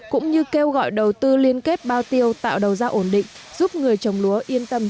cũng như kêu gọi đầu tư liên kết bao tiêu tạo đầu ra ổn định giúp người trồng lúa yên tâm